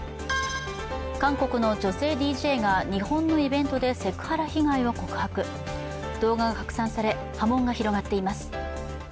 韓国の女性ＤＪが日本のイベントでセクハラ被害を告白動画が拡散され、波紋が広がっています。